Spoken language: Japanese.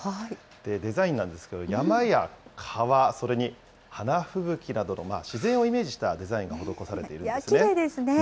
デザインなんですけど、山や川、それに花吹雪などの自然をイメージしたデザインが施されているんいや、きれいですね。